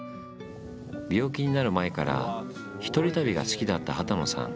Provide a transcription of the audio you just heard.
病気になる前から１人旅が好きだった幡野さん。